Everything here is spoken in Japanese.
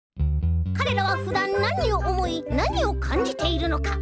かれらはふだんなにをおもいなにをかんじているのか。